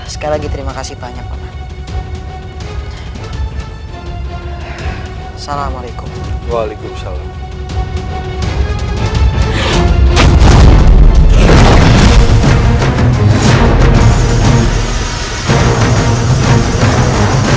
sekali lagi terima kasih banyak pak